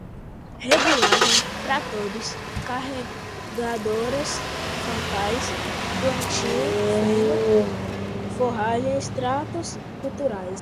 regulagem, tratores, carregadoras frontais, plantio, feno, forragem, tratos culturais